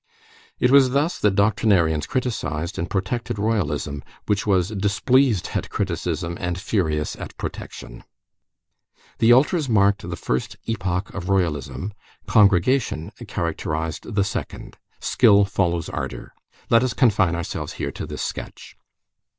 It is thus that doctrinarians criticised and protected Royalism, which was displeased at criticism and furious at protection. The ultras marked the first epoch of Royalism, congregation characterized the second. Skill follows ardor. Let us confine ourselves here to this sketch.